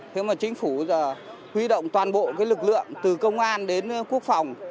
thế mà chính phủ huy động toàn bộ lực lượng từ công an đến quốc phòng